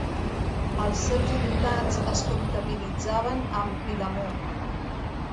Els seus habitants es comptabilitzaven amb Vilamur.